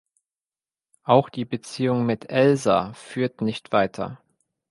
Auch die Beziehung mit Elsa führt nicht weiter.